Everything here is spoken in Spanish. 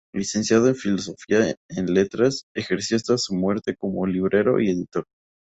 Licenciado en Filosofía en Letras, ejerció hasta su muerte como librero y editor.